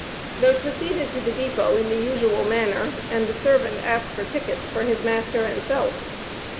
They proceeded to the depot in the usual manner, and the servant asked for tickets for his master and self.